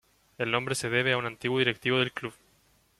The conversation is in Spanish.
El nombre se debe a un antiguo directivo del club.